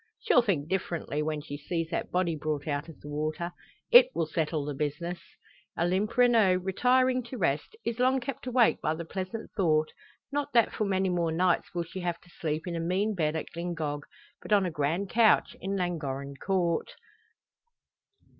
She'll think differently when she sees that body brought out of the water. It will settle the business!" Olympe Renault, retiring to rest, is long kept awake by the pleasant thought, not that for many more nights will she have to sleep in a mean bed at Glyngog, but on a grand couch in Llangorren Court.